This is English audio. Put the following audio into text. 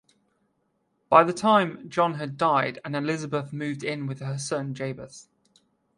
By that time, John had died and Elizabeth moved in with her son, Jabez.